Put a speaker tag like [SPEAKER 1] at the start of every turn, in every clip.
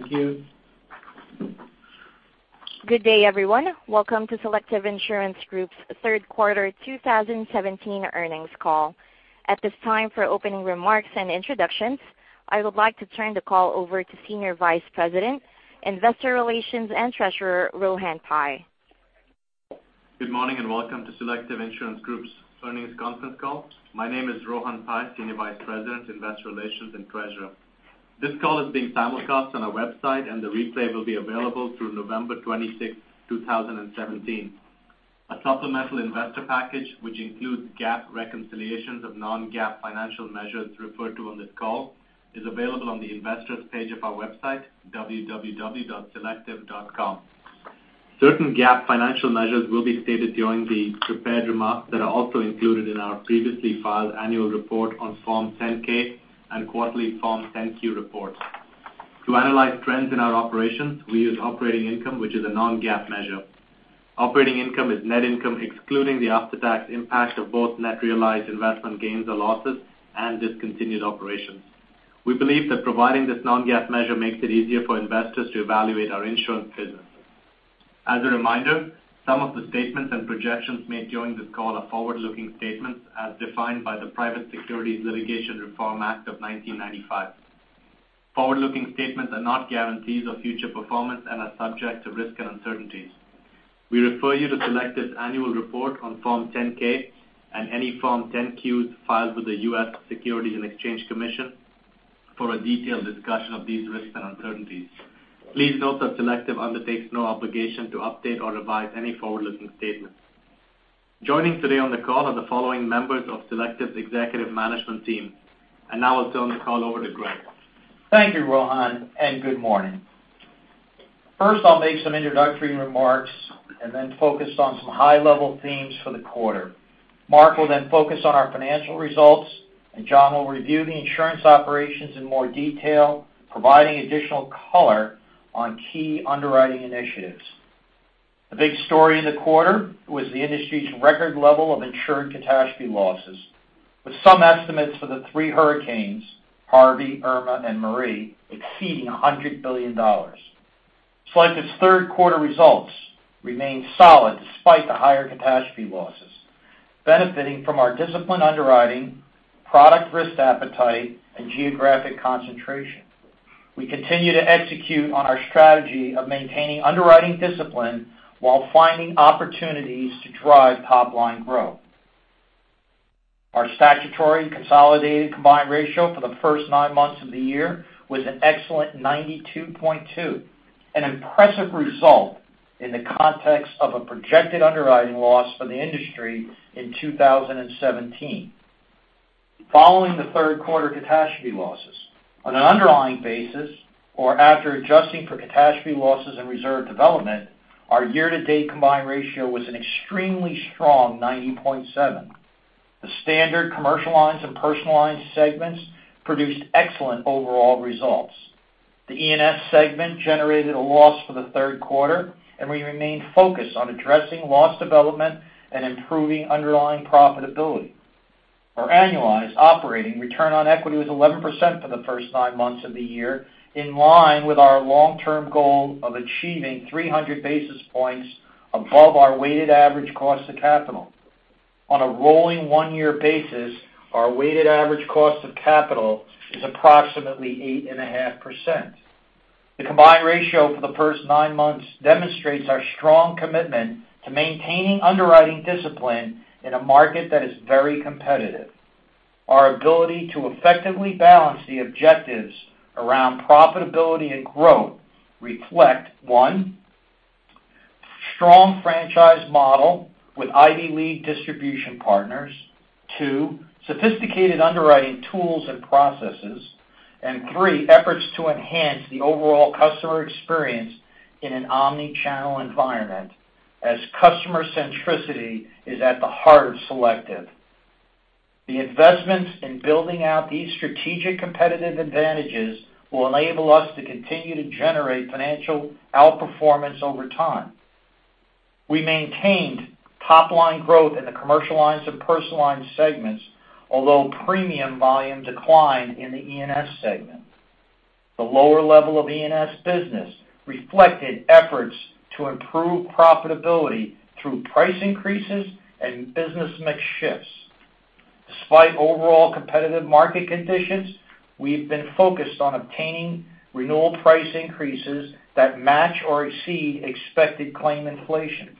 [SPEAKER 1] Thank you.
[SPEAKER 2] Good day, everyone. Welcome to Selective Insurance Group's third quarter 2017 earnings call. At this time, for opening remarks and introductions, I would like to turn the call over to Senior Vice President, Investor Relations and Treasurer, Rohan Pai.
[SPEAKER 1] Good morning. Welcome to Selective Insurance Group's earnings conference call. My name is Rohan Pai, Senior Vice President, Investor Relations and Treasurer. This call is being simulcast on our website, and the replay will be available through November 26th, 2017. A supplemental investor package, which includes GAAP reconciliations of non-GAAP financial measures referred to on this call, is available on the investor's page of our website, www.selective.com. Certain GAAP financial measures will be stated during the prepared remarks that are also included in our previously filed annual report on Form 10-K and quarterly Form 10-Q reports. To analyze trends in our operations, we use operating income, which is a non-GAAP measure. Operating income is net income excluding the after-tax impact of both net realized investment gains or losses and discontinued operations. We believe that providing this non-GAAP measure makes it easier for investors to evaluate our insurance business. As a reminder, some of the statements and projections made during this call are forward-looking statements as defined by the Private Securities Litigation Reform Act of 1995. Forward-looking statements are not guarantees of future performance and are subject to risk and uncertainties. We refer you to Selective's annual report on Form 10-K and any Form 10-Qs filed with the U.S. Securities and Exchange Commission for a detailed discussion of these risks and uncertainties. Please note that Selective undertakes no obligation to update or revise any forward-looking statements. Joining today on the call are the following members of Selective's executive management team. Now I'll turn the call over to Greg.
[SPEAKER 3] Thank you, Rohan, and good morning. First, I'll make some introductory remarks and then focus on some high-level themes for the quarter. Mark will then focus on our financial results, and John will review the insurance operations in more detail, providing additional color on key underwriting initiatives. The big story in the quarter was the industry's record level of insured catastrophe losses, with some estimates for the three hurricanes, Harvey, Irma, and Maria, exceeding $100 billion. Selective's third quarter results remained solid despite the higher catastrophe losses, benefiting from our disciplined underwriting, product risk appetite, and geographic concentration. We continue to execute on our strategy of maintaining underwriting discipline while finding opportunities to drive top-line growth. Our statutory consolidated combined ratio for the first nine months of the year was an excellent 92.2, an impressive result in the context of a projected underwriting loss for the industry in 2017. Following the third quarter catastrophe losses, on an underlying basis, or after adjusting for catastrophe losses and reserve development, our year-to-date combined ratio was an extremely strong 90.7. The standard commercial lines and personal lines segments produced excellent overall results. The E&S segment generated a loss for the third quarter, and we remain focused on addressing loss development and improving underlying profitability. Our annualized operating return on equity was 11% for the first nine months of the year, in line with our long-term goal of achieving 300 basis points above our weighted average cost of capital. On a rolling one-year basis, our weighted average cost of capital is approximately 8.5%. The combined ratio for the first nine months demonstrates our strong commitment to maintaining underwriting discipline in a market that is very competitive. Our ability to effectively balance the objectives around profitability and growth reflect, one, strong franchise model with Ivy League distribution partners. Two, sophisticated underwriting tools and processes. Three, efforts to enhance the overall customer experience in an omnichannel environment, as customer centricity is at the heart of Selective. The investments in building out these strategic competitive advantages will enable us to continue to generate financial outperformance over time. We maintained top-line growth in the commercial lines and personal lines segments, although premium volume declined in the E&S segment. The lower level of E&S business reflected efforts to improve profitability through price increases and business mix shifts. Despite overall competitive market conditions, we've been focused on obtaining renewal price increases that match or exceed expected claim inflation.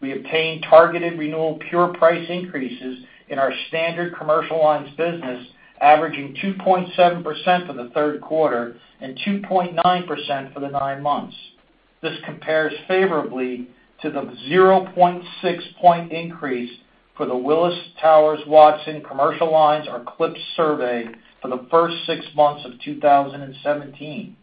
[SPEAKER 3] We obtained targeted renewal pure price increases in our standard commercial lines business, averaging 2.7% for the third quarter and 2.9% for the nine months. This compares favorably to the 0.6 point increase for the Willis Towers Watson commercial lines, or CLIPS survey for the first six months of 2017.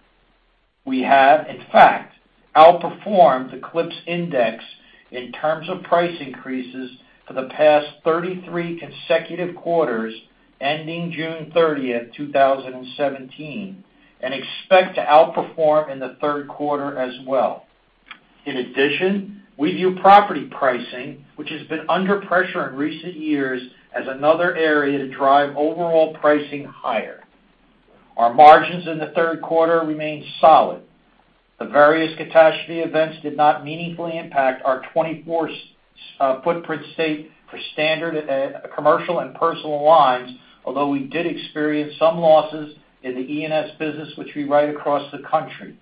[SPEAKER 3] We have, in fact, outperformed the CLIPS index in terms of price increases for the past 33 consecutive quarters ending June 30th, 2017, and expect to outperform in the third quarter as well. In addition, we view property pricing, which has been under pressure in recent years, as another area to drive overall pricing higher. Our margins in the third quarter remained solid. The various catastrophe events did not meaningfully impact our 24 footprint state for standard commercial and personal lines, although we did experience some losses in the E&S business, which we write across the country.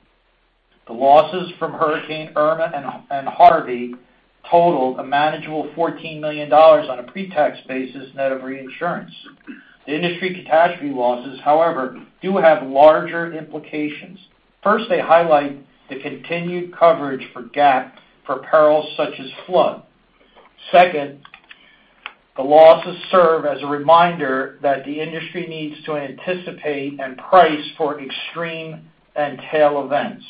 [SPEAKER 3] The losses from Hurricane Irma and Hurricane Harvey totaled a manageable $14 million on a pre-tax basis net of reinsurance. The industry catastrophe losses, however, do have larger implications. First, they highlight the continued coverage for GAAP for perils such as flood. Second, the losses serve as a reminder that the industry needs to anticipate and price for extreme and tail events.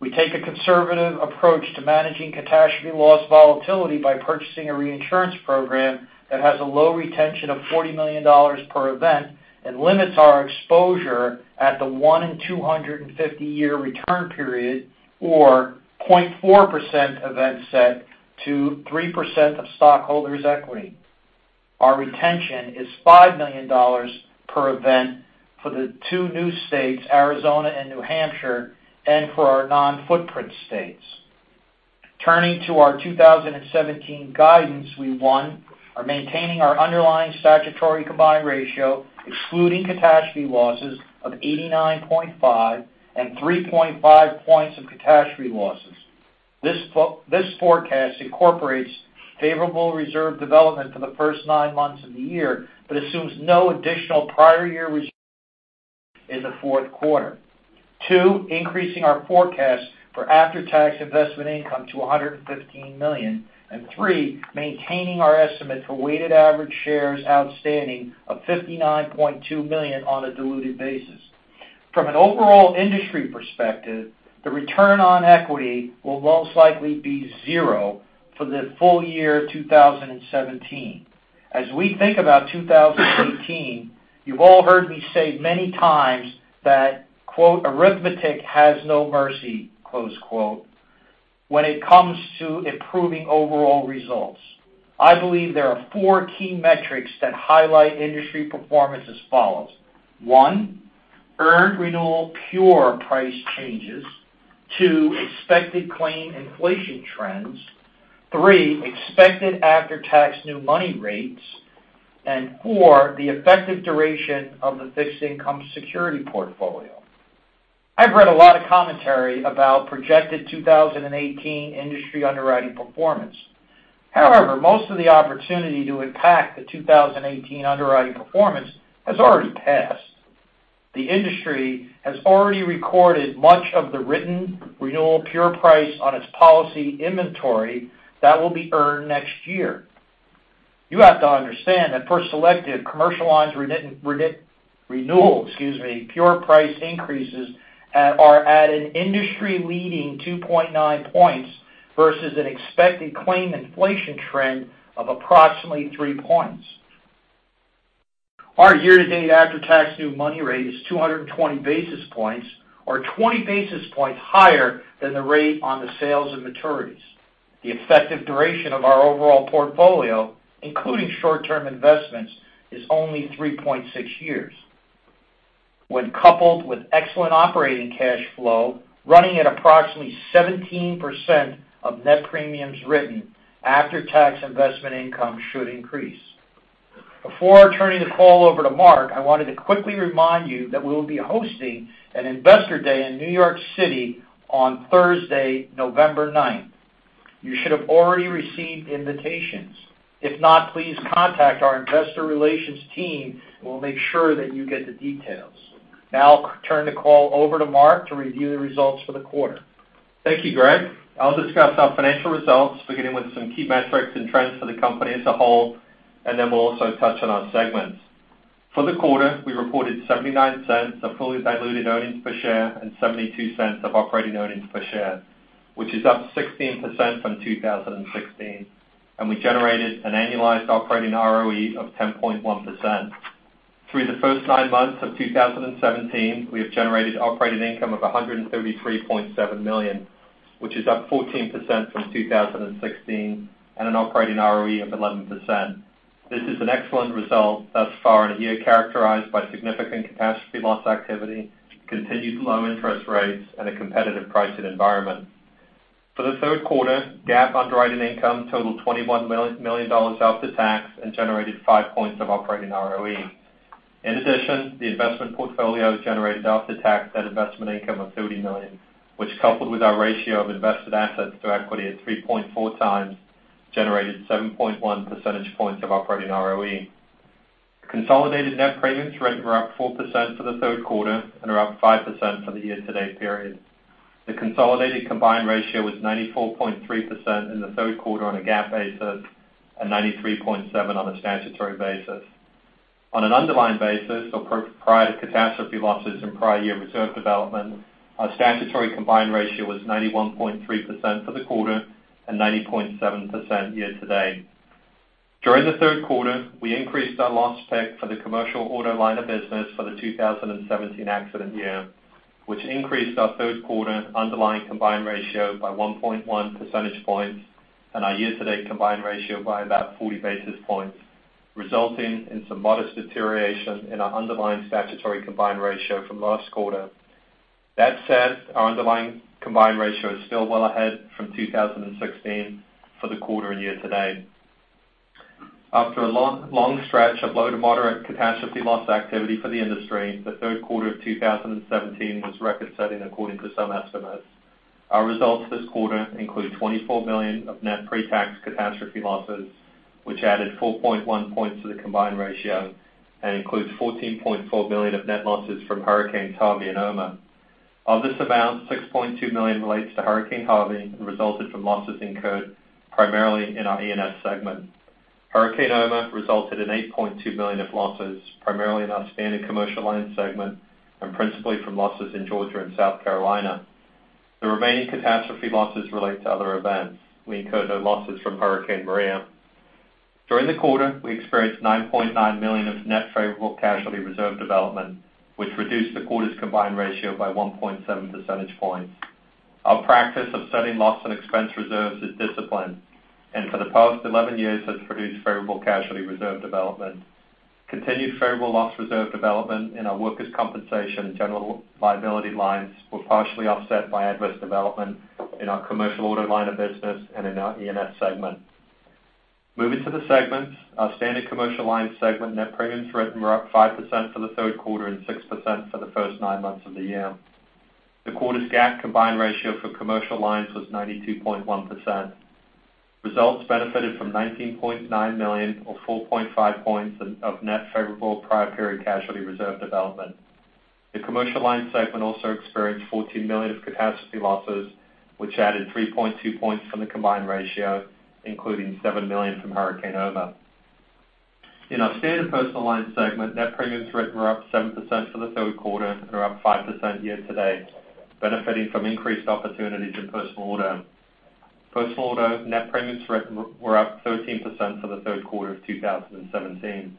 [SPEAKER 3] We take a conservative approach to managing catastrophe loss volatility by purchasing a reinsurance program that has a low retention of $40 million per event and limits our exposure at the one in 250 year return period or 0.4% event set to 3% of stockholders' equity. Our retention is $5 million per event for the two new states, Arizona and New Hampshire, and for our non-footprint states. Turning to our 2017 guidance, we, one, are maintaining our underlying statutory combined ratio, excluding catastrophe losses of 89.5 and 3.5 points of catastrophe losses. This forecast incorporates favorable reserve development for the first nine months of the year but assumes no additional prior year reserve in the fourth quarter. Two, increasing our forecast for after-tax investment income to $115 million. And three, maintaining our estimate for weighted average shares outstanding of 59.2 million on a diluted basis. From an overall industry perspective, the return on equity will most likely be zero for the full year 2017. As we think about 2018, you've all heard me say many times that, "Arithmetic has no mercy," when it comes to improving overall results. I believe there are four key metrics that highlight industry performance as follows. One, earned renewal pure price changes. Two, expected claim inflation trends. Three, expected after-tax new money rates. And four, the effective duration of the fixed income security portfolio. I've read a lot of commentary about projected 2018 industry underwriting performance. However, most of the opportunity to impact the 2018 underwriting performance has already passed. The industry has already recorded much of the written renewal pure price on its policy inventory that will be earned next year. You have to understand that for Selective, commercial lines renewal, pure price increases are at an industry-leading 2.9 points versus an expected claim inflation trend of approximately three points. Our year-to-date after-tax new money rate is 220 basis points or 20 basis points higher than the rate on the sales and maturities. The effective duration of our overall portfolio, including short-term investments, is only 3.6 years. When coupled with excellent operating cash flow, running at approximately 17% of net premiums written, after-tax investment income should increase. Before turning the call over to Mark, I wanted to quickly remind you that we will be hosting an investor day in New York City on Thursday, November 9th. You should have already received invitations. If not, please contact our investor relations team, and we'll make sure that you get the details. Now I'll turn the call over to Mark to review the results for the quarter.
[SPEAKER 4] Thank you, Greg. I'll discuss our financial results, beginning with some key metrics and trends for the company as a whole, then we'll also touch on our segments. For the quarter, we reported $0.79 of fully diluted earnings per share and $0.72 of operating earnings per share, which is up 16% from 2016. We generated an annualized operating ROE of 10.1%. Through the first nine months of 2017, we have generated operating income of $133.7 million, which is up 14% from 2016, and an operating ROE of 11%. This is an excellent result thus far in a year characterized by significant catastrophe loss activity, continued low interest rates, and a competitive pricing environment. For the third quarter, GAAP underwriting income totaled $21 million after tax and generated five points of operating ROE. In addition, the investment portfolio generated after-tax net investment income of $30 million, which coupled with our ratio of invested assets to equity at 3.4 times, generated 7.1 percentage points of operating ROE. Consolidated net premiums were up 4% for the third quarter and are up 5% for the year-to-date period. The consolidated combined ratio was 94.3% in the third quarter on a GAAP basis and 93.7% on a statutory basis. On an underlying basis or prior to catastrophe losses and prior year reserve development, our statutory combined ratio was 91.3% for the quarter and 90.7% year-to-date. During the third quarter, we increased our loss pick for the commercial auto line of business for the 2017 accident year, which increased our third quarter underlying combined ratio by 1.1 percentage points and our year-to-date combined ratio by about 40 basis points, resulting in some modest deterioration in our underlying statutory combined ratio from last quarter. That said, our underlying combined ratio is still well ahead from 2016 for the quarter and year to date. After a long stretch of low to moderate catastrophe loss activity for the industry, the third quarter of 2017 was record-setting according to some estimates. Our results this quarter include $24 million of net pre-tax catastrophe losses, which added 4.1 points to the combined ratio and includes $14.4 million of net losses from Hurricane Harvey and Irma. Of this amount, $6.2 million relates to Hurricane Harvey and resulted from losses incurred primarily in our E&S segment. Hurricane Irma resulted in $8.2 million of losses, primarily in our standard commercial line segment and principally from losses in Georgia and South Carolina. The remaining catastrophe losses relate to other events. We incurred no losses from Hurricane Maria. During the quarter, we experienced $9.9 million of net favorable casualty reserve development, which reduced the quarter's combined ratio by 1.7 percentage points. Our practice of setting loss and expense reserves is disciplined and for the past 11 years has produced favorable casualty reserve development. Continued favorable loss reserve development in our workers' compensation and general liability lines were partially offset by adverse development in our commercial auto line of business and in our E&S segment. Moving to the segments. Our standard commercial lines segment net premiums written were up 5% for the third quarter and 6% for the first nine months of the year. The quarter's GAAP combined ratio for commercial lines was 92.1%. Results benefited from $19.9 million or 4.5 points of net favorable prior period casualty reserve development. The commercial lines segment also experienced $14 million of catastrophe losses, which added 3.2 points from the combined ratio, including $7 million from Hurricane Irma. In our standard personal lines segment, net premiums written were up 7% for the third quarter and are up 5% year to date, benefiting from increased opportunities in personal auto. Personal auto net premiums written were up 13% for the third quarter of 2017.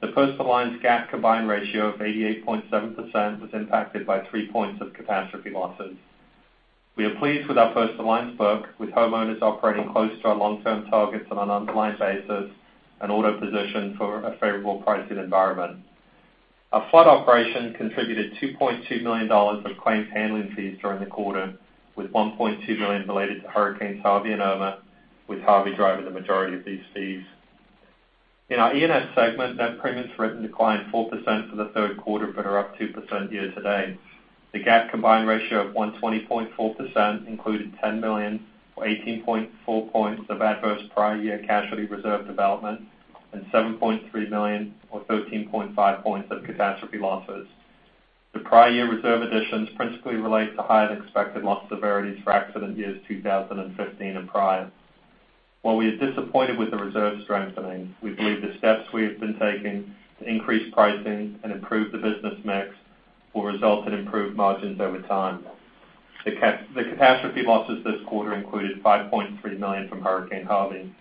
[SPEAKER 4] The personal lines GAAP combined ratio of 88.7% was impacted by three points of catastrophe losses. We are pleased with our personal lines book, with homeowners operating close to our long-term targets on an underlying basis and auto positioned for a favorable pricing environment. Our flood operation contributed $2.2 million of claims handling fees during the quarter, with $1.2 million related to Hurricanes Harvey and Irma, with Harvey driving the majority of these fees. In our E&S segment, net premiums written declined 4% for the third quarter but are up 2% year to date. The GAAP combined ratio of 120.4% included $10 million or 18.4 points of adverse prior year casualty reserve development and $7.3 million or 13.5 points of catastrophe losses. The prior year reserve additions principally relate to higher than expected loss severities for accident years 2015 and prior. While we are disappointed with the reserve strengthening, we believe the steps we have been taking to increase pricing and improve the business mix will result in improved margins over time. The catastrophe losses this quarter included $5.3 million from Hurricane Harvey.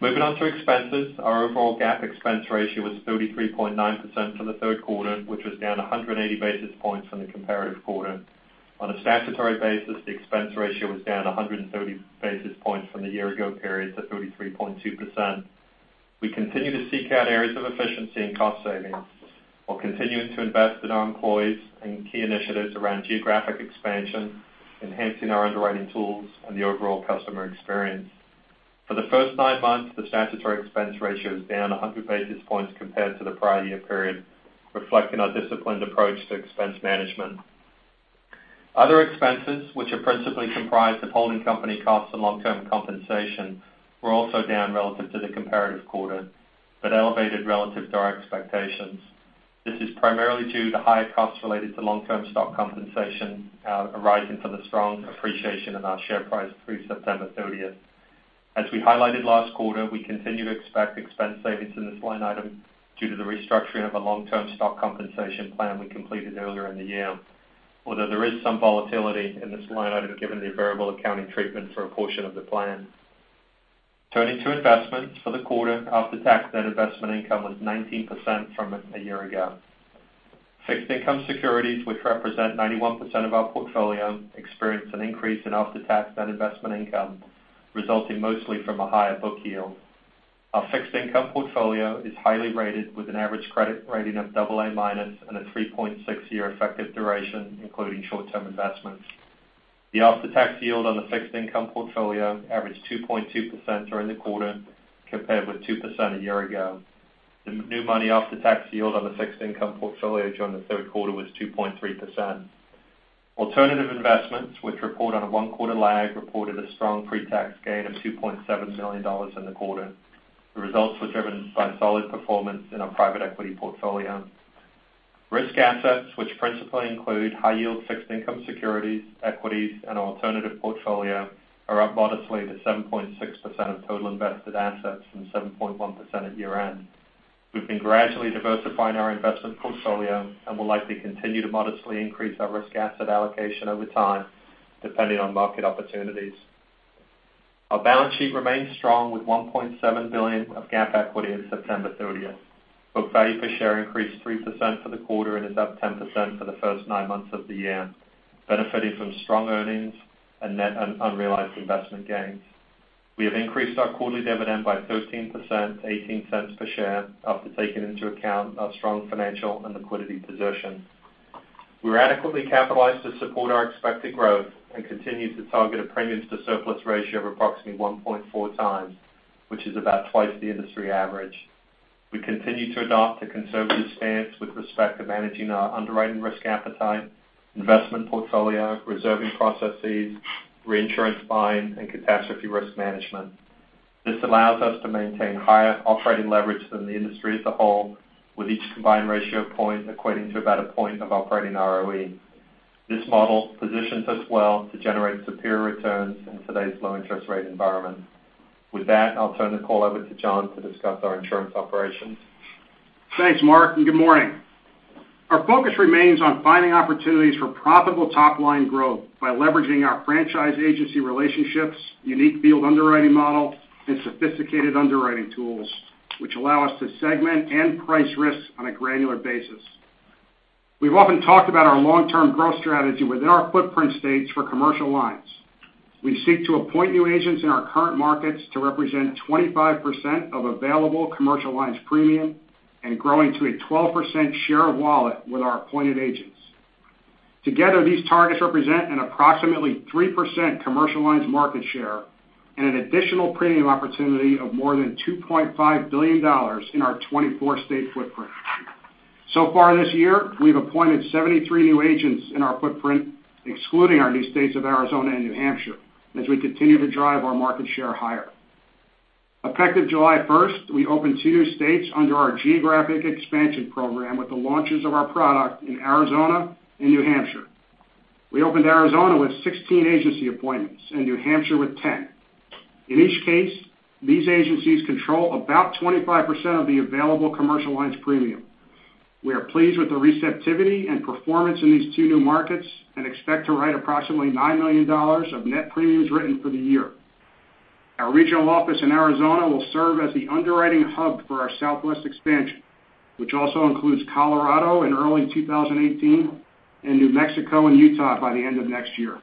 [SPEAKER 4] Moving on to expenses. Our overall GAAP expense ratio was 33.9% for the third quarter, which was down 180 basis points from the comparative quarter. On a statutory basis, the expense ratio was down 130 basis points from the year ago period to 33.2%. We continue to seek out areas of efficiency and cost savings while continuing to invest in our employees and key initiatives around geographic expansion, enhancing our underwriting tools and the overall customer experience. For the first nine months, the statutory expense ratio was down 100 basis points compared to the prior year period, reflecting our disciplined approach to expense management. Other expenses, which are principally comprised of holding company costs and long-term compensation, were also down relative to the comparative quarter, but elevated relative to our expectations. This is primarily due to higher costs related to long-term stock compensation arising from the strong appreciation in our share price through September 30th. As we highlighted last quarter, we continue to expect expense savings in this line item due to the restructuring of a long-term stock compensation plan we completed earlier in the year, although there is some volatility in this line item given the variable accounting treatment for a portion of the plan. Turning to investments for the quarter, after-tax net investment income was 19% from a year ago. Fixed income securities, which represent 91% of our portfolio, experienced an increase in after-tax net investment income, resulting mostly from a higher book yield. Our fixed income portfolio is highly rated with an average credit rating of double A minus and a 3.6 year effective duration, including short-term investments. The after-tax yield on the fixed income portfolio averaged 2.2% during the quarter, compared with 2% a year ago. The new money after-tax yield on the fixed income portfolio during the third quarter was 2.3%. Alternative investments, which report on a one-quarter lag, reported a strong pre-tax gain of $2.7 million in the quarter. The results were driven by solid performance in our private equity portfolio. Risk assets, which principally include high yield fixed income securities, equities, and alternative portfolio, are up modestly to 7.6% of total invested assets from 7.1% at year-end. We've been gradually diversifying our investment portfolio and will likely continue to modestly increase our risk asset allocation over time, depending on market opportunities. Our balance sheet remains strong with $1.7 billion of GAAP equity at September 30th. Book value per share increased 3% for the quarter and is up 10% for the first nine months of the year, benefiting from strong earnings and net unrealized investment gains. We have increased our quarterly dividend by 13% to $0.18 per share after taking into account our strong financial and liquidity position. We are adequately capitalized to support our expected growth and continue to target a premiums to surplus ratio of approximately 1.4 times, which is about twice the industry average. We continue to adopt a conservative stance with respect to managing our underwriting risk appetite, investment portfolio, reserving processes, reinsurance buying, and catastrophe risk management. This allows us to maintain higher operating leverage than the industry as a whole, with each combined ratio point equating to about a point of operating ROE. This model positions us well to generate superior returns in today's low interest rate environment. With that, I'll turn the call over to John to discuss our insurance operations.
[SPEAKER 5] Thanks, Mark, and good morning. Our focus remains on finding opportunities for profitable top-line growth by leveraging our franchise agency relationships, unique field underwriting model, and sophisticated underwriting tools, which allow us to segment and price risks on a granular basis. We've often talked about our long-term growth strategy within our footprint states for commercial lines. We seek to appoint new agents in our current markets to represent 25% of available commercial lines premium and growing to a 12% share of wallet with our appointed agents. Together, these targets represent an approximately 3% commercial lines market share and an additional premium opportunity of more than $2.5 billion in our 24-state footprint. So far this year, we've appointed 73 new agents in our footprint, excluding our new states of Arizona and New Hampshire, as we continue to drive our market share higher. Effective July 1st, we opened two new states under our geographic expansion program with the launches of our product in Arizona and New Hampshire. We opened Arizona with 16 agency appointments and New Hampshire with 10. In each case, these agencies control about 25% of the available commercial lines premium. We are pleased with the receptivity and performance in these two new markets and expect to write approximately $9 million of net premiums written for the year. Our regional office in Arizona will serve as the underwriting hub for our Southwest expansion, which also includes Colorado in early 2018 and New Mexico and Utah by the end of next year.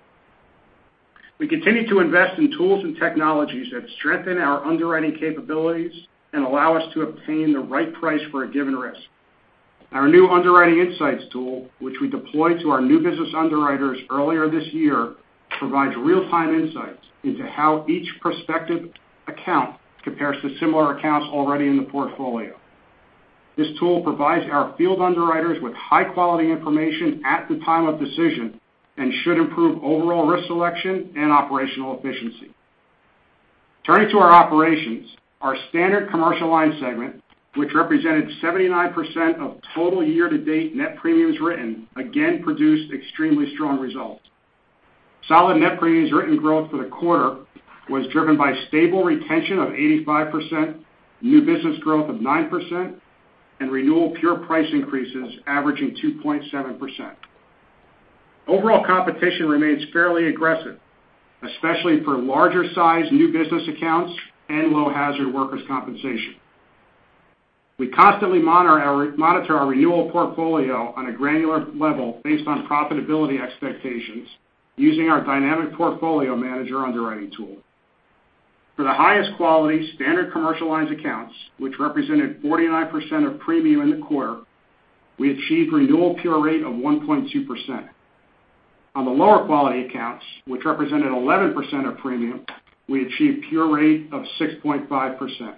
[SPEAKER 5] We continue to invest in tools and technologies that strengthen our underwriting capabilities and allow us to obtain the right price for a given risk. Our new underwriting insights tool, which we deployed to our new business underwriters earlier this year, provides real-time insights into how each prospective account compares to similar accounts already in the portfolio. This tool provides our field underwriters with high-quality information at the time of decision and should improve overall risk selection and operational efficiency. Turning to our operations, our standard commercial lines segment, which represented 79% of total year-to-date net premiums written, again produced extremely strong results. Solid net premiums written growth for the quarter was driven by stable retention of 85%, new business growth of 9%, and renewal pure price increases averaging 2.7%. Overall competition remains fairly aggressive, especially for larger size new business accounts and low hazard workers' compensation. We constantly monitor our renewal portfolio on a granular level based on profitability expectations using our Dynamic Portfolio Manager underwriting tool. For the highest quality standard commercial lines accounts, which represented 49% of premium in the quarter, we achieved renewal pure rate of 1.2%. On the lower quality accounts, which represented 11% of premium, we achieved pure rate of 6.5%.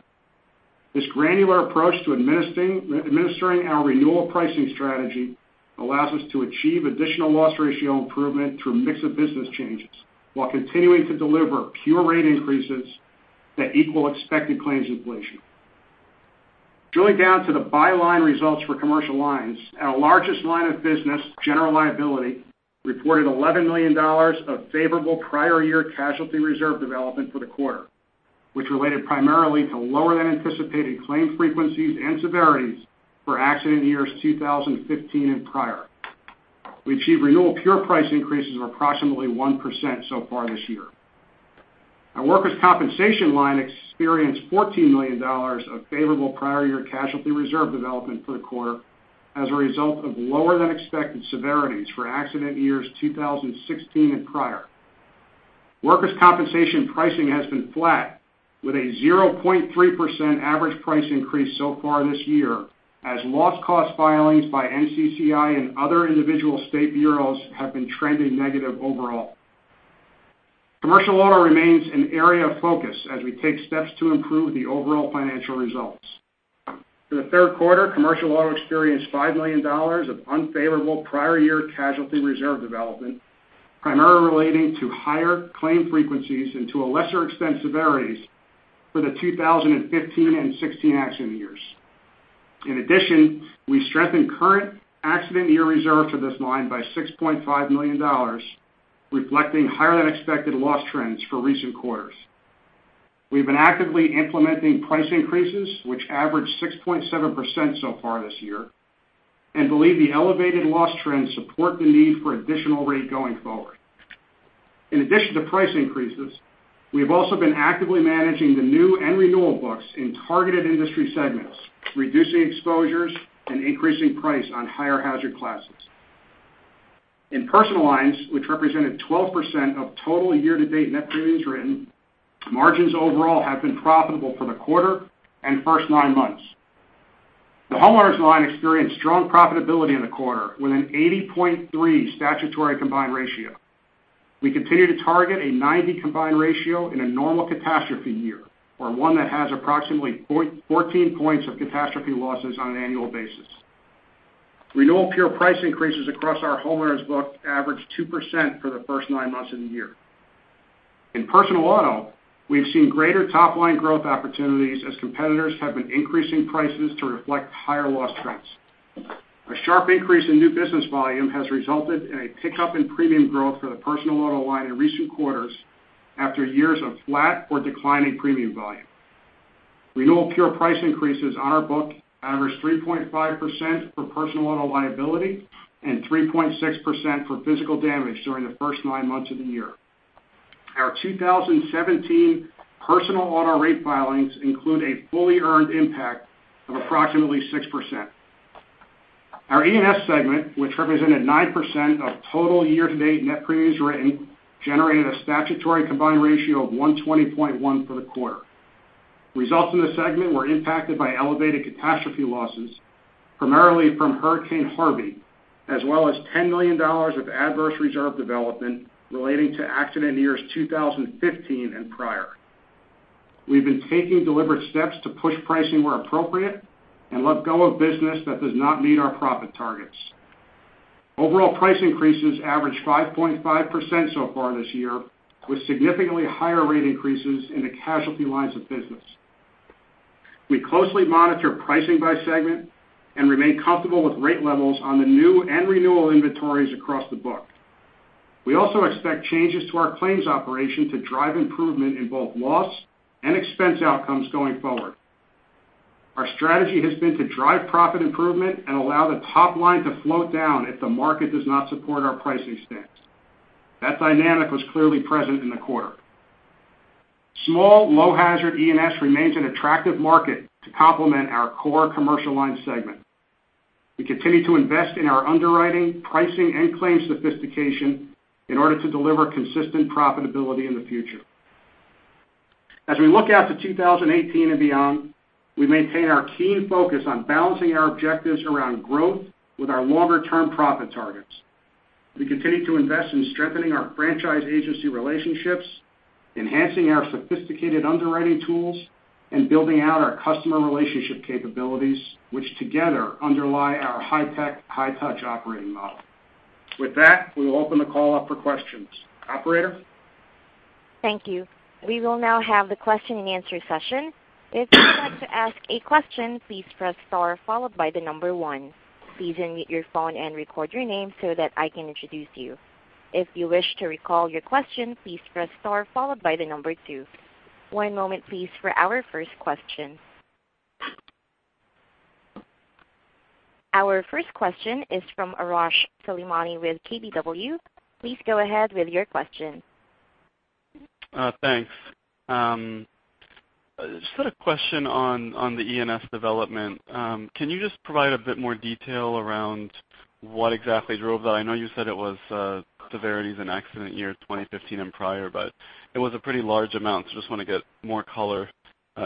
[SPEAKER 5] This granular approach to administering our renewal pricing strategy allows us to achieve additional loss ratio improvement through mix of business changes while continuing to deliver pure rate increases that equal expected claims inflation. Drilling down to the by line results for commercial lines, our largest line of business, general liability, reported $11 million of favorable prior year casualty reserve development for the quarter, which related primarily to lower than anticipated claim frequencies and severities for accident years 2015 and prior. We achieved renewal pure price increases of approximately 1% so far this year. Our workers' compensation line experienced $14 million of favorable prior year casualty reserve development for the quarter as a result of lower than expected severities for accident years 2016 and prior. Workers' compensation pricing has been flat with a 0.3% average price increase so far this year as loss cost filings by NCCI and other individual state bureaus have been trending negative overall. Commercial auto remains an area of focus as we take steps to improve the overall financial results. For the third quarter, commercial auto experienced $5 million of unfavorable prior year casualty reserve development, primarily relating to higher claim frequencies and to a lesser extent, severities for the 2015 and '16 accident years. In addition, we strengthened current accident year reserve for this line by $6.5 million, reflecting higher than expected loss trends for recent quarters. We've been actively implementing price increases, which average 6.7% so far this year, and believe the elevated loss trends support the need for additional rate going forward. In addition to price increases, we've also been actively managing the new and renewal books in targeted industry segments, reducing exposures and increasing price on higher hazard classes. In personal lines, which represented 12% of total year-to-date net premiums written, margins overall have been profitable for the quarter and first nine months. The homeowners line experienced strong profitability in the quarter, with an 80.3 statutory combined ratio. We continue to target a 90 combined ratio in a normal catastrophe year, or one that has approximately 14 points of catastrophe losses on an annual basis. Renewal pure price increases across our homeowners book averaged 2% for the first nine months of the year. In personal auto, we've seen greater top-line growth opportunities as competitors have been increasing prices to reflect higher loss trends. A sharp increase in new business volume has resulted in a pickup in premium growth for the personal auto line in recent quarters, after years of flat or declining premium volume. Renewal pure price increases on our book averaged 3.5% for personal auto liability and 3.6% for physical damage during the first nine months of the year. Our 2017 personal auto rate filings include a fully earned impact of approximately 6%. Our E&S segment, which represented 9% of total year-to-date net premiums written, generated a statutory combined ratio of 120.1 for the quarter. Results in this segment were impacted by elevated catastrophe losses, primarily from Hurricane Harvey, as well as $10 million of adverse reserve development relating to accident years 2015 and prior. We've been taking deliberate steps to push pricing where appropriate and let go of business that does not meet our profit targets. Overall price increases averaged 5.5% so far this year, with significantly higher rate increases in the casualty lines of business. We closely monitor pricing by segment and remain comfortable with rate levels on the new and renewal inventories across the book. We also expect changes to our claims operation to drive improvement in both loss and expense outcomes going forward. Our strategy has been to drive profit improvement and allow the top line to float down if the market does not support our pricing stance. That dynamic was clearly present in the quarter. Small, low hazard E&S remains an attractive market to complement our core commercial line segment. We continue to invest in our underwriting, pricing, and claims sophistication in order to deliver consistent profitability in the future. As we look out to 2018 and beyond, we maintain our keen focus on balancing our objectives around growth with our longer-term profit targets. We continue to invest in strengthening our franchise agency relationships, enhancing our sophisticated underwriting tools, and building out our customer relationship capabilities, which together underlie our high-tech, high-touch operating model. With that, we will open the call up for questions. Operator?
[SPEAKER 2] Thank you. We will now have the question and answer session. If you would like to ask a question, please press star followed by the number 1. Please unmute your phone and record your name so that I can introduce you. If you wish to recall your question, please press star followed by the number 2. One moment, please, for our first question. Our first question is from Arash Soleimani with KBW. Please go ahead with your question.
[SPEAKER 6] Thanks. Just had a question on the E&S development. Can you just provide a bit more detail around what exactly drove that? I know you said it was severities in accident year 2015 and prior, it was a pretty large amount, just want to get more color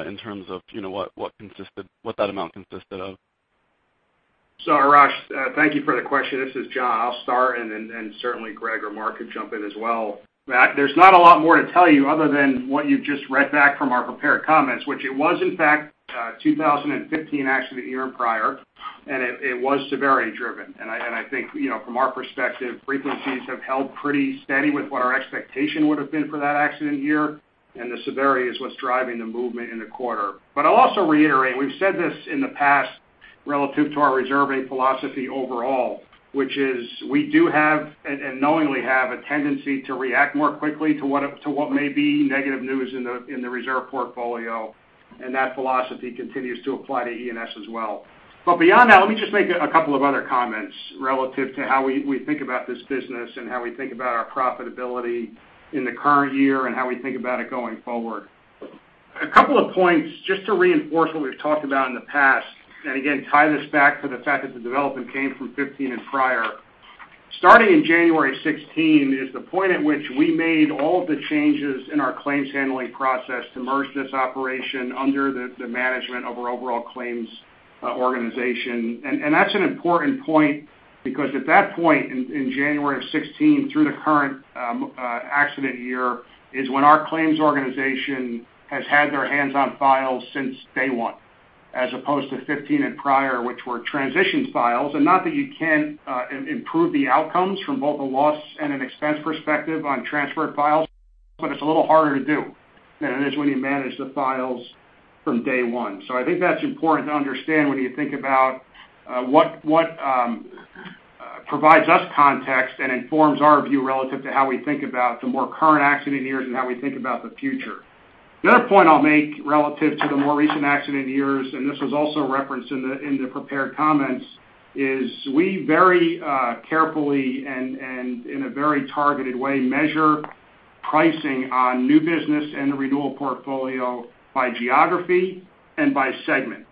[SPEAKER 6] in terms of what that amount consisted of.
[SPEAKER 5] Arash, thank you for the question. This is John. I will start, and then certainly Greg or Mark could jump in as well. There is not a lot more to tell you other than what you have just read back from our prepared comments, which it was in fact 2015 accident year and prior, and it was severity driven. I think from our perspective, frequencies have held pretty steady with what our expectation would have been for that accident year, and the severity is what is driving the movement in the quarter. I will also reiterate, we have said this in the past relative to our reserving philosophy overall, which is we do have, and knowingly have, a tendency to react more quickly to what may be negative news in the reserve portfolio, and that philosophy continues to apply to E&S as well. Beyond that, let me just make a couple of other comments relative to how we think about this business and how we think about our profitability in the current year and how we think about it going forward. A couple of points just to reinforce what we have talked about in the past, and again, tie this back to the fact that the development came from 2015 and prior. Starting in January 2016 is the point at which we made all the changes in our claims handling process to merge this operation under the management of our overall claims organization. That is an important point because at that point in January of 2016 through the current accident year, is when our claims organization has had their hands on files since day 1, as opposed to 2015 and prior, which were transition files. Not that you can't improve the outcomes from both a loss and an expense perspective on transferred files. It's a little harder to do than it is when you manage the files from day one. I think that's important to understand when you think about what provides us context and informs our view relative to how we think about the more current accident years and how we think about the future. The other point I'll make relative to the more recent accident years, and this was also referenced in the prepared comments, is we very carefully and in a very targeted way, measure pricing on new business and the renewal portfolio by geography and by segment.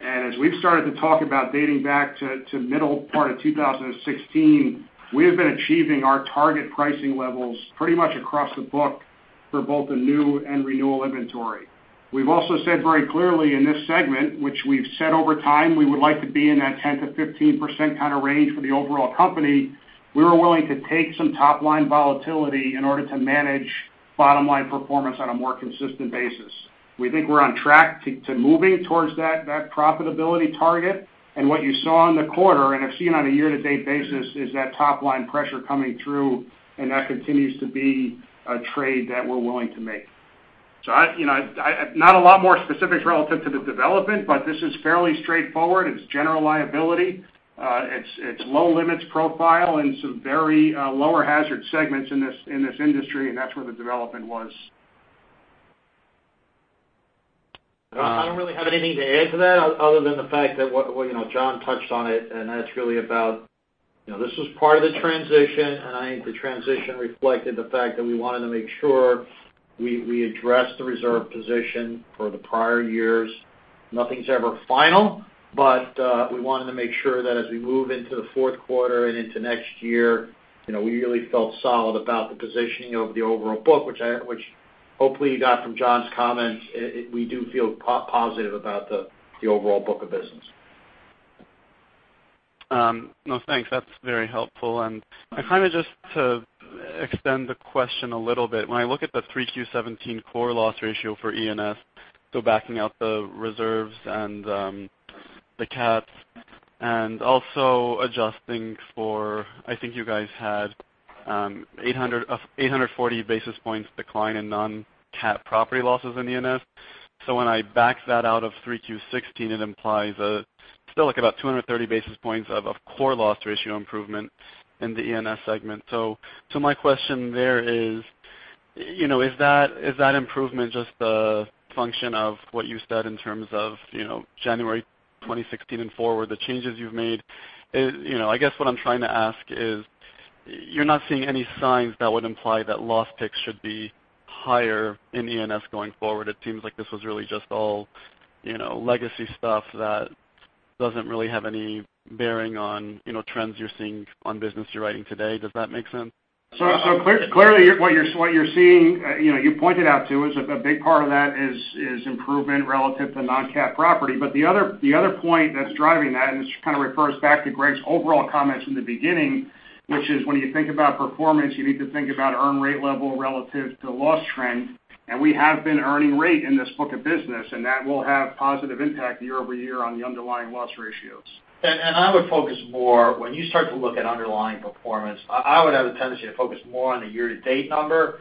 [SPEAKER 5] As we've started to talk about dating back to middle part of 2016, we have been achieving our target pricing levels pretty much across the book for both the new and renewal inventory. We've also said very clearly in this segment, which we've said over time, we would like to be in that 10%-15% kind of range for the overall company. We were willing to take some top-line volatility in order to manage bottom-line performance on a more consistent basis. We think we're on track to moving towards that profitability target, and what you saw in the quarter, and have seen on a year-to-date basis, is that top-line pressure coming through, and that continues to be a trade that we're willing to make. Not a lot more specifics relative to the development, but this is fairly straightforward. It's general liability. It's low limits profile and some very lower hazard segments in this industry, and that's where the development was.
[SPEAKER 3] I don't really have anything to add to that other than the fact that what John touched on it, and that's really about this was part of the transition, and I think the transition reflected the fact that we wanted to make sure we addressed the reserve position for the prior years. Nothing's ever final, but we wanted to make sure that as we move into the fourth quarter and into next year, we really felt solid about the positioning of the overall book, which hopefully you got from John's comments. We do feel positive about the overall book of business.
[SPEAKER 6] No, thanks. That's very helpful. Just to extend the question a little bit, when I look at the 3Q17 core loss ratio for E&S, backing out the reserves and the cats, and also adjusting for, I think you guys had 840 basis points decline in non-cat property losses in E&S. When I back that out of 3Q16, it implies still about 230 basis points of core loss ratio improvement in the E&S segment. My question there is that improvement just a function of what you said in terms of January 2016 and forward, the changes you've made? I guess what I'm trying to ask is you're not seeing any signs that would imply that loss picks should be higher in E&S going forward. It seems like this was really just all legacy stuff that doesn't really have any bearing on trends you're seeing on business you're writing today. Does that make sense?
[SPEAKER 5] Clearly, what you're seeing, you pointed out too, is a big part of that is improvement relative to non-cat property. The other point that's driving that, and this kind of refers back to Greg's overall comments in the beginning, which is when you think about performance, you need to think about earn rate level relative to loss trend. We have been earning rate in this book of business, and that will have positive impact year-over-year on the underlying loss ratios.
[SPEAKER 3] I would focus more, when you start to look at underlying performance, I would have a tendency to focus more on the year-to-date number.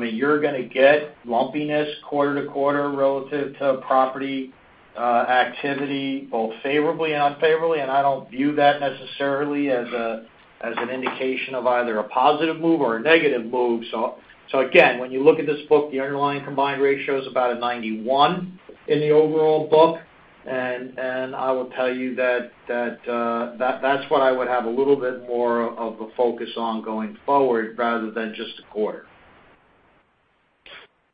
[SPEAKER 3] You're going to get lumpiness quarter-to-quarter relative to property activity, both favorably and unfavorably, and I don't view that necessarily as an indication of either a positive move or a negative move. Again, when you look at this book, the underlying combined ratio is about a 91 in the overall book, I will tell you that's what I would have a little bit more of a focus on going forward rather than just a quarter.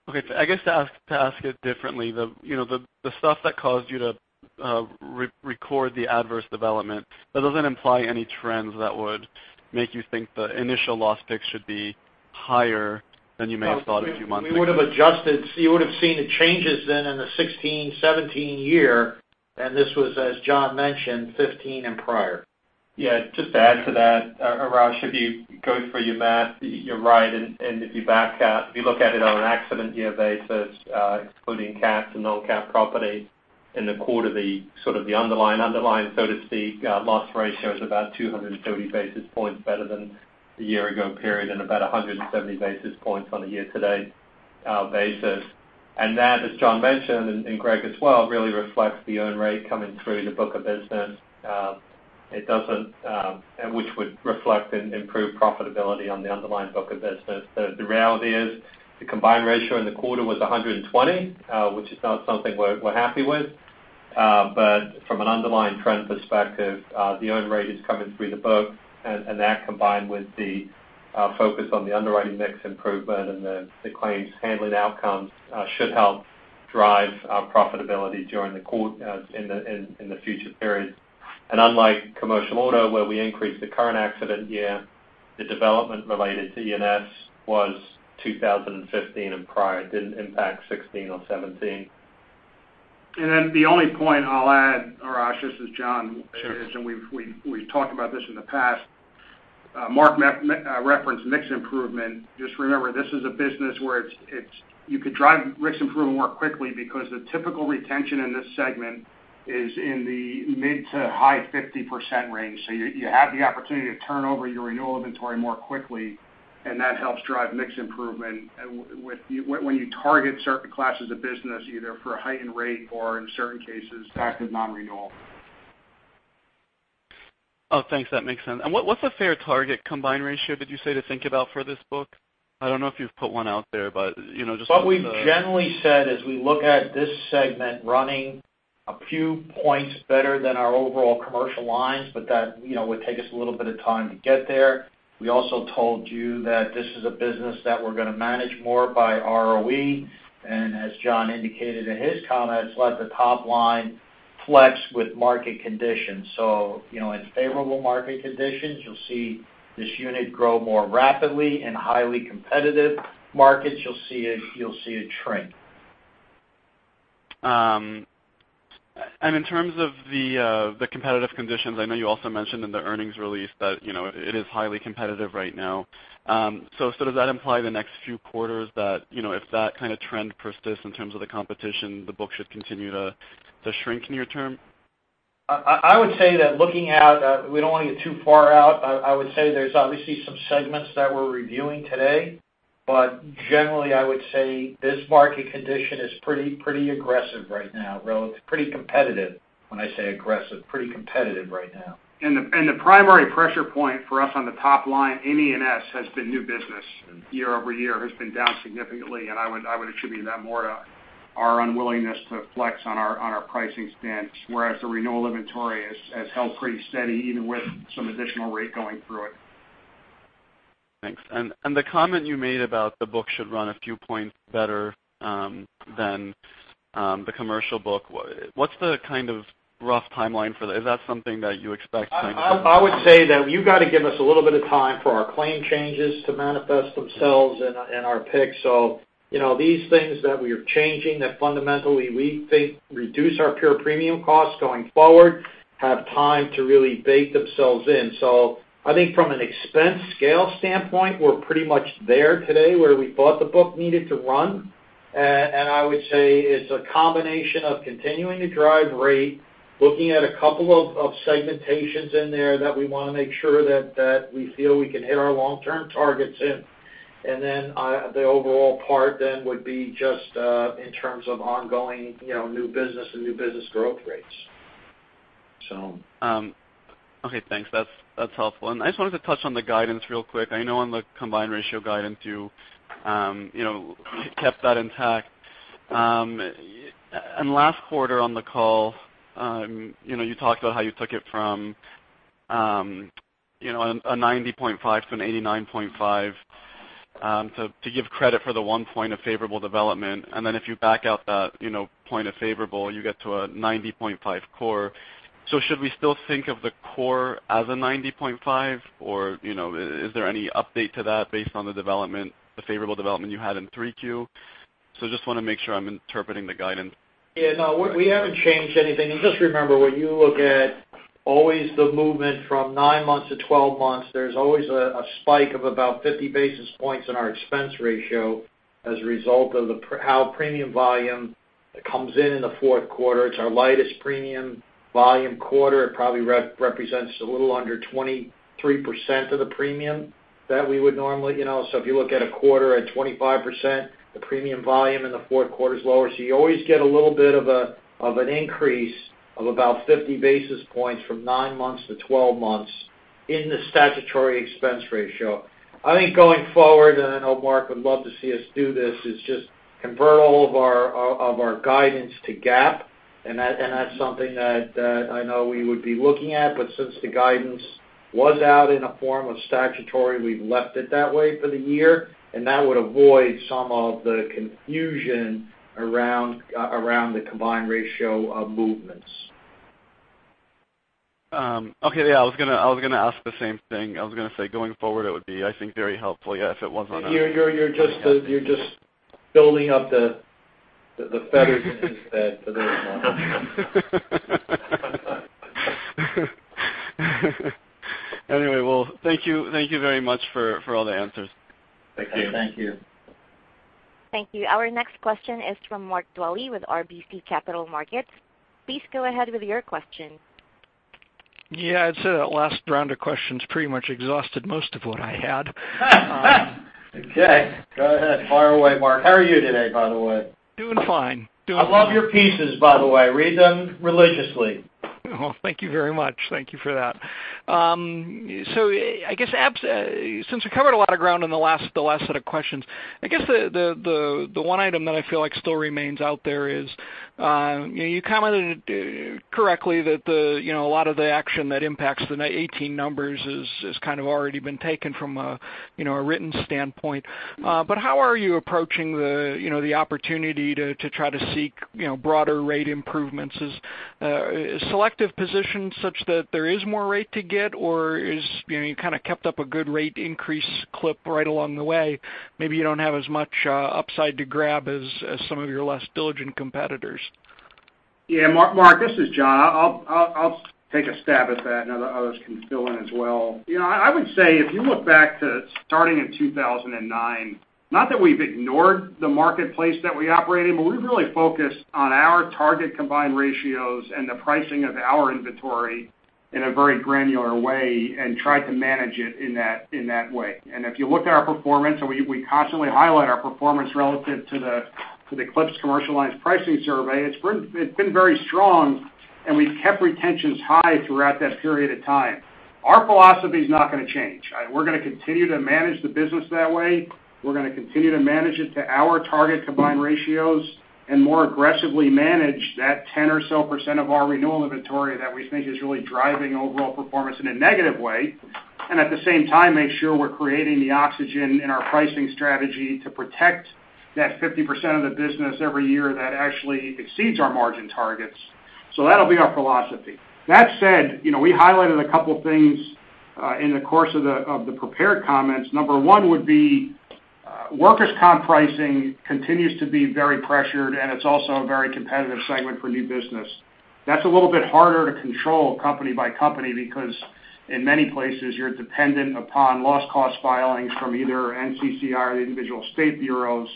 [SPEAKER 6] Okay. I guess to ask it differently, the stuff that caused you to record the adverse development, that doesn't imply any trends that would make you think the initial loss pick should be higher than you may have thought a few months ago.
[SPEAKER 3] We would have adjusted. You would have seen the changes then in the 2016, 2017 year, and this was, as John mentioned, 2015 and prior.
[SPEAKER 4] Yeah, just to add to that, Arash, if you go through your math, you're right. If you back out, if you look at it on an accident year basis, excluding CATs and non-CAT property in the quarter, the underlying so to speak, loss ratio is about 230 basis points better than the year ago period and about 170 basis points on a year to date basis. That, as John mentioned, and Greg as well, really reflects the earn rate coming through the book of business. Which would reflect an improved profitability on the underlying book of business. The reality is the combined ratio in the quarter was 120, which is not something we're happy with. From an underlying trend perspective, the earn rate is coming through the book, and that combined with the focus on the underwriting mix improvement and the claims handling outcomes, should help drive our profitability in the future periods. Unlike commercial auto, where we increased the current accident year, the development related to E&S was 2015 and prior. It didn't impact 2016 or 2017.
[SPEAKER 5] The only point I'll add, Arash, this is John.
[SPEAKER 6] Sure.
[SPEAKER 5] We've talked about this in the past. Mark referenced mix improvement. Just remember, this is a business where you could drive mix improvement more quickly because the typical retention in this segment is in the mid to high 50% range. You have the opportunity to turn over your renewal inventory more quickly, and that helps drive mix improvement when you target certain classes of business, either for a heightened rate or in certain cases, active non-renewal.
[SPEAKER 6] Thanks. That makes sense. What's a fair target combined ratio, did you say, to think about for this book? I don't know if you've put one out there, but just.
[SPEAKER 3] What we've generally said is we look at this segment running a few points better than our overall commercial lines, but that would take us a little bit of time to get there. We also told you that this is a business that we're going to manage more by ROE, and as John indicated in his comments, let the top line flex with market conditions. In favorable market conditions, you'll see this unit grow more rapidly. In highly competitive markets, you'll see it shrink.
[SPEAKER 6] In terms of the competitive conditions, I know you also mentioned in the earnings release that it is highly competitive right now. Does that imply the next few quarters that if that kind of trend persists in terms of the competition, the book should continue to shrink near-term?
[SPEAKER 3] I would say that looking out, we don't want to get too far out. I would say there's obviously some segments that we're reviewing today. Generally, I would say this market condition is pretty aggressive right now. It's pretty competitive when I say aggressive. Pretty competitive right now.
[SPEAKER 5] The primary pressure point for us on the top line in E&S has been new business, year-over-year has been down significantly, and I would attribute that more to our unwillingness to flex on our pricing stance. Whereas the renewal inventory has held pretty steady even with some additional rate going through it.
[SPEAKER 6] Thanks. The comment you made about the book should run a few points better than the commercial book. What's the kind of rough timeline for that? Is that something that you expect next?
[SPEAKER 3] I would say that you've got to give us a little bit of time for our claim changes to manifest themselves and our picks. These things that we are changing, that fundamentally we think reduce our pure premium costs going forward, have time to really bake themselves in. I think from an expense scale standpoint, we're pretty much there today where we thought the book needed to run. I would say it's a combination of continuing to drive rate, looking at a couple of segmentations in there that we want to make sure that we feel we can hit our long-term targets in. The overall part then would be just in terms of ongoing new business and new business growth rates.
[SPEAKER 6] Okay, thanks. That's helpful. I just wanted to touch on the guidance real quick. I know on the combined ratio guidance, you kept that intact. Last quarter on the call, you talked about how you took it from a 90.5 to an 89.5 to give credit for the one point of favorable development. Then if you back out that point of favorable, you get to a 90.5 core. Should we still think of the core as a 90.5, or is there any update to that based on the favorable development you had in 3Q? Just want to make sure I'm interpreting the guidance.
[SPEAKER 3] Yeah, no, we haven't changed anything. Just remember, when you look at always the movement from nine months to 12 months, there's always a spike of about 50 basis points in our expense ratio as a result of how premium volume comes in in the fourth quarter. It's our lightest premium volume quarter. It probably represents a little under 23% of the premium that we would normally. If you look at a quarter at 25%, the premium volume in the fourth quarter is lower. You always get a little bit of an increase of about 50 basis points from nine months to 12 months in the statutory expense ratio. I think going forward, and I know Mark would love to see us do this, is just convert all of our guidance to GAAP, that's something that I know we would be looking at. Since the guidance was out in a form of statutory, we've left it that way for the year, that would avoid some of the confusion around the combined ratio of movements.
[SPEAKER 6] Okay. Yeah, I was going to ask the same thing. I was going to say, going forward, it would be, I think, very helpful, yeah, if it was on a-
[SPEAKER 3] You're just building up the feathers in his bed for this one.
[SPEAKER 6] Well, thank you very much for all the answers.
[SPEAKER 3] Thank you.
[SPEAKER 5] Thank you.
[SPEAKER 2] Thank you. Our next question is from Mark Dwelle with RBC Capital Markets. Please go ahead with your question.
[SPEAKER 7] Yeah, I'd say that last round of questions pretty much exhausted most of what I had.
[SPEAKER 3] Okay, go ahead. Fire away, Mark. How are you today, by the way?
[SPEAKER 7] Doing fine.
[SPEAKER 3] I love your pieces, by the way. Read them religiously.
[SPEAKER 7] I guess since we covered a lot of ground in the last set of questions, I guess the one item that I feel like still remains out there is, you commented correctly that a lot of the action that impacts the 2018 numbers has kind of already been taken from a written standpoint. How are you approaching the opportunity to try to seek broader rate improvements? Is Selective's position such that there is more rate to get, or you kind of kept up a good rate increase clip right along the way, maybe you don't have as much upside to grab as some of your less diligent competitors?
[SPEAKER 5] Yeah, Mark, this is John. I'll take a stab at that, and others can fill in as well. I would say if you look back to starting in 2009, not that we've ignored the marketplace that we operate in, but we've really focused on our target combined ratios and the pricing of our inventory in a very granular way and tried to manage it in that way. If you look at our performance, and we constantly highlight our performance relative to the CIAB commercial lines pricing survey, it's been very strong, and we've kept retentions high throughout that period of time. Our philosophy's not going to change. We're going to continue to manage the business that way. We're going to continue to manage it to our target combined ratios, and more aggressively manage that 10% or so of our renewal inventory that we think is really driving overall performance in a negative way. At the same time, make sure we're creating the oxygen in our pricing strategy to protect that 50% of the business every year that actually exceeds our margin targets. That'll be our philosophy. That said, we highlighted a couple things in the course of the prepared comments. Number one would be workers' comp pricing continues to be very pressured, and it's also a very competitive segment for new business. That's a little bit harder to control company by company, because in many places you're dependent upon loss cost filings from either NCCI or the individual state bureaus,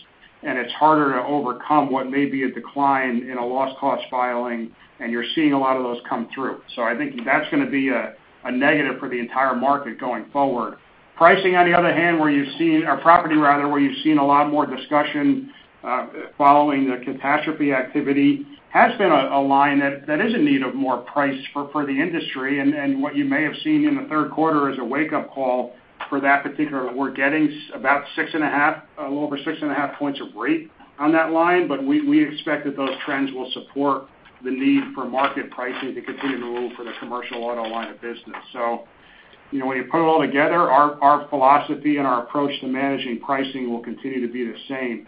[SPEAKER 5] and it's harder to overcome what may be a decline in a loss cost filing, and you're seeing a lot of those come through. I think that's going to be a negative for the entire market going forward. Pricing on the other hand, where you've seen our property rather, where you've seen a lot more discussion following the catastrophe activity, has been a line that is in need of more price for the industry. What you may have seen in the third quarter is a wake-up call for that particular, we're getting a little over six and a half points of rate on that line, but we expect that those trends will support the need for market pricing to continue to move for the commercial auto line of business. When you put it all together, our philosophy and our approach to managing pricing will continue to be the same.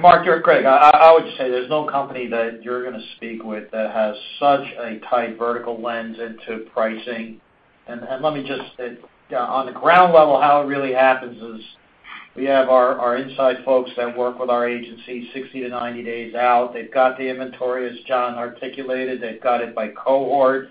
[SPEAKER 3] Mark, here Greg, I would just say there's no company that you're going to speak with that has such a tight vertical lens into pricing. Let me just say, on the ground level, how it really happens is we have our inside folks that work with our agencies 60-90 days out. They've got the inventory, as John articulated. They've got it by cohort.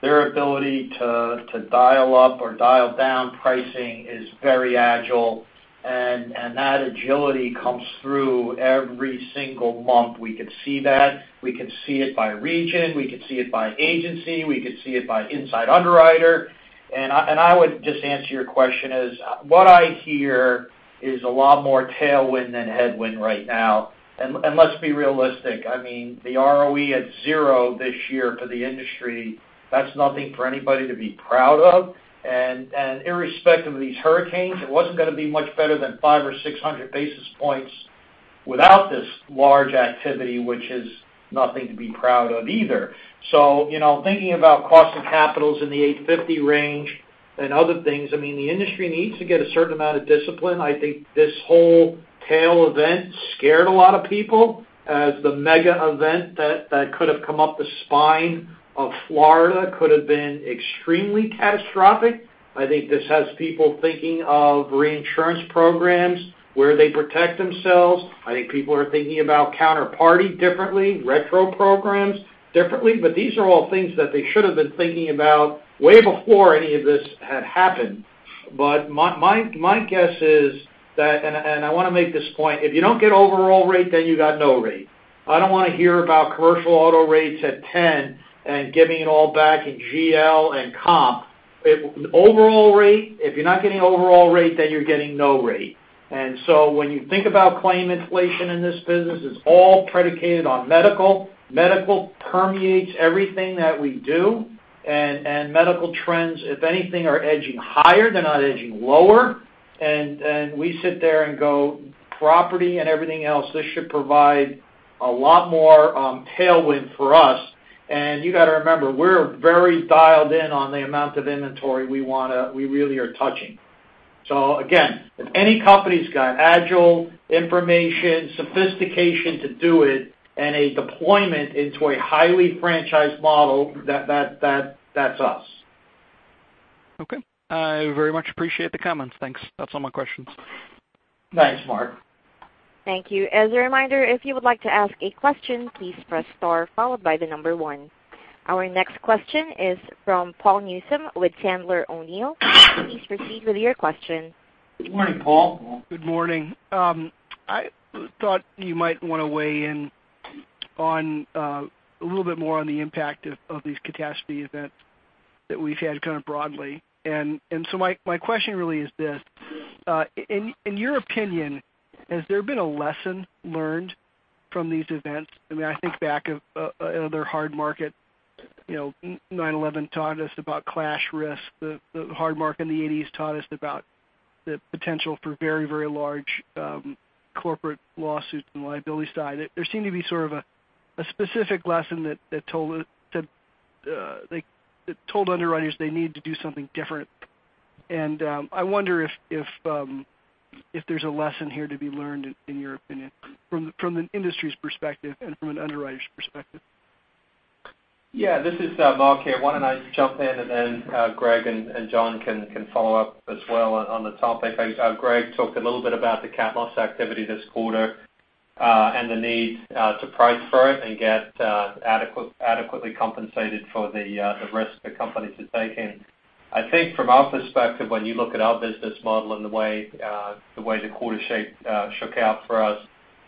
[SPEAKER 3] Their ability to dial up or dial down pricing is very agile, and that agility comes through every single month. We can see that. We can see it by region. We can see it by agency. We can see it by inside underwriter. I would just answer your question as what I hear is a lot more tailwind than headwind right now. Let's be realistic. I mean, the ROE at zero this year for the industry, that's nothing for anybody to be proud of. Irrespective of these hurricanes, it wasn't going to be much better than 500 or 600 basis points without this large activity, which is nothing to be proud of either. Thinking about cost of capitals in the 850 range and other things, the industry needs to get a certain amount of discipline. I think this whole tail event scared a lot of people as the mega event that could've come up the spine of Florida could've been extremely catastrophic. I think this has people thinking of reinsurance programs where they protect themselves. I think people are thinking about counterparty differently, retro programs differently. These are all things that they should've been thinking about way before any of this had happened. My guess is that, I want to make this point, if you don't get overall rate, then you got no rate. I don't want to hear about commercial auto rates at 10 and giving it all back in GL and comp. Overall rate, if you're not getting overall rate, then you're getting no rate. When you think about claim inflation in this business, it's all predicated on medical. Medical permeates everything that we do, medical trends, if anything, are edging higher. They're not edging lower. We sit there and go property and everything else, this should provide a lot more tailwind for us. You got to remember, we're very dialed in on the amount of inventory we really are touching. Again, if any company's got agile information, sophistication to do it, and a deployment into a highly franchised model, that's us.
[SPEAKER 7] Okay. I very much appreciate the comments. Thanks. That's all my questions.
[SPEAKER 3] Thanks, Mark.
[SPEAKER 2] Thank you. As a reminder, if you would like to ask a question, please press star followed by the number one. Our next question is from Paul Newsome with Sandler O'Neill. Please proceed with your question.
[SPEAKER 3] Good morning, Paul.
[SPEAKER 8] Good morning. I thought you might want to weigh in a little bit more on the impact of these catastrophe events that we've had kind of broadly. My question really is this. In your opinion, has there been a lesson learned from these events? I think back of another hard market, 9/11 taught us about clash risk. The hard market in the '80s taught us about the potential for very large corporate lawsuits on the liability side. There seemed to be sort of a specific lesson that told underwriters they need to do something different. I wonder if there's a lesson here to be learned, in your opinion, from an industry's perspective and from an underwriter's perspective.
[SPEAKER 4] Yeah, this is Mark here. Why don't I jump in and then Greg and John can follow up as well on the topic. Greg talked a little bit about the cat loss activity this quarter, and the need to price for it and get adequately compensated for the risk the company's taking. I think from our perspective, when you look at our business model and the way the quarter shook out for us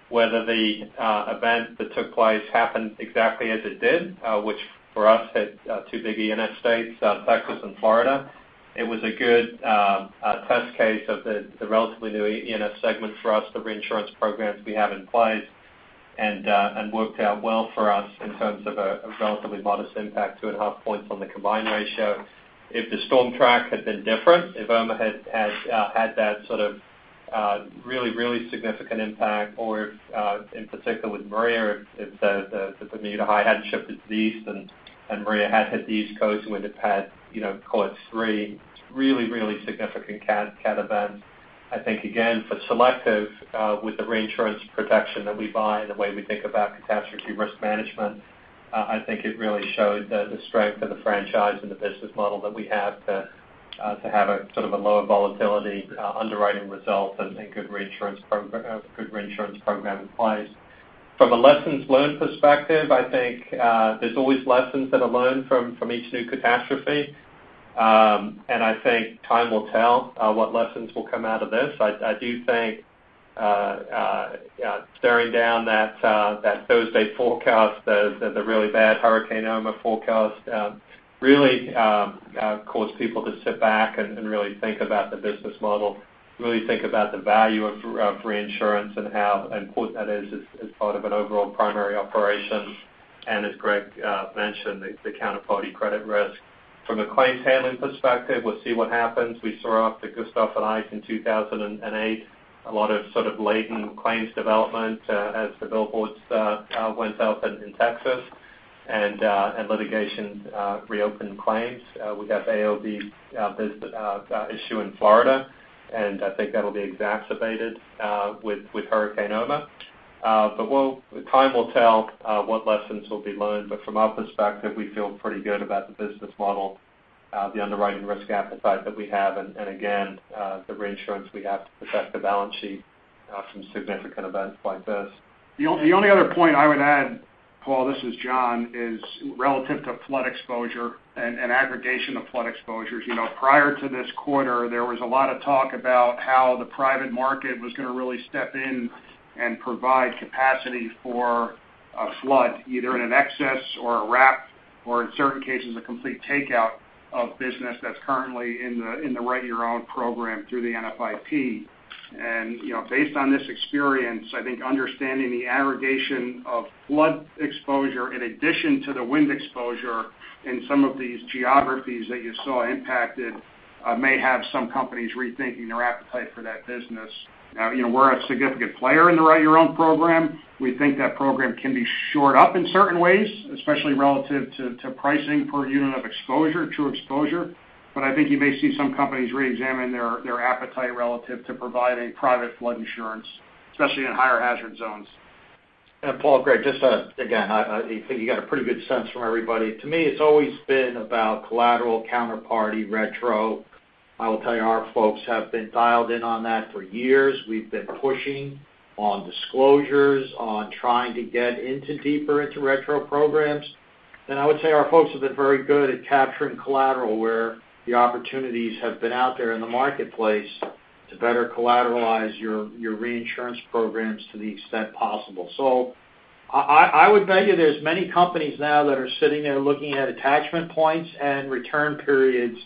[SPEAKER 4] Whether the event that took place happened exactly as it did, which for us hit two big E&S states, Texas and Florida. It was a good test case of the relatively new E&S segment for us, the reinsurance programs we have in place, and worked out well for us in terms of a relatively modest impact, two and a half points on the combined ratio. If the storm track had been different, if Irma had that sort of really significant impact or if, in particular with Maria, if the Bermuda High hadn't shifted to the east and Maria had hit the East Coast with a CAT 3, really significant CAT event. I think again, for Selective, with the reinsurance protection that we buy and the way we think about catastrophe risk management, I think it really showed the strength of the franchise and the business model that we have to have a sort of a lower volatility underwriting result and good reinsurance program in place. From a lessons learned perspective, I think there's always lessons that are learned from each new catastrophe. I think time will tell what lessons will come out of this. I do think staring down that Thursday forecast, the really bad Hurricane Irma forecast, really caused people to sit back and really think about the business model, really think about the value of reinsurance and how important that is as part of an overall primary operation, and as Greg mentioned, the counterparty credit risk. From a claims handling perspective, we'll see what happens. We saw after Gustav and Ike in 2008, a lot of sort of latent claims development as the billboards went up in Texas and litigation reopened claims. We got the AOB issue in Florida. I think that'll be exacerbated with Hurricane Irma. Time will tell what lessons will be learned. From our perspective, we feel pretty good about the business model, the underwriting risk appetite that we have, and again, the reinsurance we have to protect the balance sheet from significant events like this.
[SPEAKER 5] The only other point I would add, Paul, this is John, is relative to flood exposure and aggregation of flood exposures. Prior to this quarter, there was a lot of talk about how the private market was going to really step in and provide capacity for a flood, either in an excess or a wrap or in certain cases, a complete takeout of business that's currently in the Write Your Own program through the NFIP. Based on this experience, I think understanding the aggregation of flood exposure in addition to the wind exposure in some of these geographies that you saw impacted may have some companies rethinking their appetite for that business. Now, we're a significant player in the Write Your Own program. We think that program can be shored up in certain ways, especially relative to pricing per unit of exposure, true exposure. I think you may see some companies reexamine their appetite relative to providing private flood insurance, especially in higher hazard zones.
[SPEAKER 3] Paul, Greg, just again, I think you got a pretty good sense from everybody. To me, it's always been about collateral counterparty retro. I will tell you, our folks have been dialed in on that for years. We've been pushing on disclosures, on trying to get deeper into retro programs. I would say our folks have been very good at capturing collateral where the opportunities have been out there in the marketplace to better collateralize your reinsurance programs to the extent possible. I would bet you there's many companies now that are sitting there looking at attachment points and return periods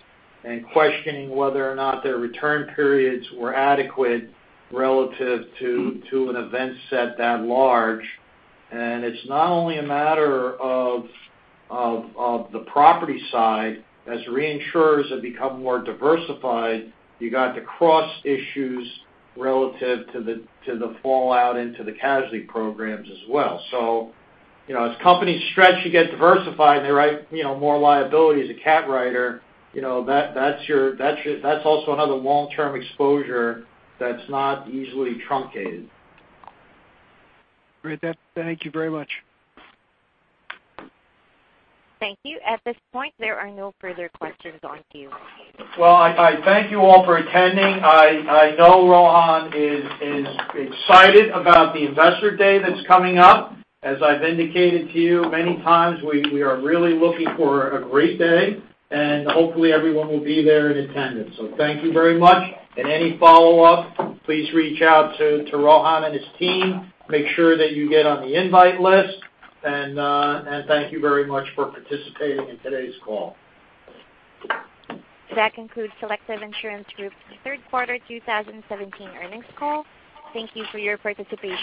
[SPEAKER 3] and questioning whether or not their return periods were adequate relative to an event set that large. It's not only a matter of the property side. As reinsurers have become more diversified, you got to cross issues relative to the fallout into the casualty programs as well. As companies stretch to get diversified and they write more liability as a CAT writer, that's also another long-term exposure that's not easily truncated.
[SPEAKER 8] Great. Thank you very much.
[SPEAKER 2] Thank you. At this point, there are no further questions on the queue.
[SPEAKER 3] Well, I thank you all for attending. I know Rohan is excited about the investor day that's coming up. As I've indicated to you many times, we are really looking for a great day and hopefully everyone will be there in attendance. Thank you very much. Any follow-up, please reach out to Rohan and his team, make sure that you get on the invite list, and thank you very much for participating in today's call.
[SPEAKER 2] That concludes Selective Insurance Group's third quarter 2017 earnings call. Thank you for your participation.